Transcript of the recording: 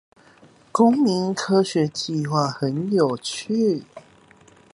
公民科學計畫很有趣